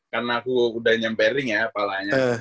karena aku udah nyampe ring ya kepalanya